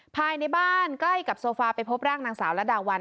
ภายในบ้านใกล้กับโซฟาไปพบร่างนางสาวระดาวัน